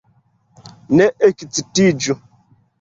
Ne ekcitiĝu!